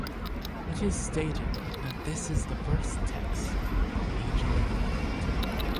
It is stated that this is the first text on ageing in the world.